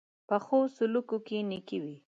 پخو سلوکو کې نېکي وي